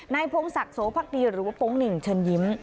นายพงศักดิ์โสภักดีหรือว่าพงษ์หนิ่งชันยิ้ม